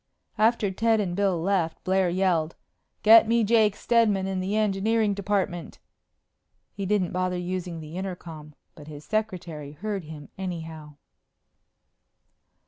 After Ted and Bill left, Blair yelled, "Get me Jake Steadman in the engineering department!" He didn't bother using the intercom, but his secretary heard him anyhow.